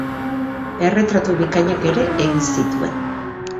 Erretratu bikainak ere egin zituen.